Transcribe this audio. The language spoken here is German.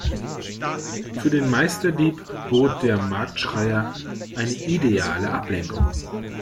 Für den Meisterdieb bot der Marktschreier eine ideale Ablenkung.